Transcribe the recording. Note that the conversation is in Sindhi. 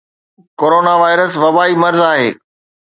ڪرونا وائرس وبائي مرض آھي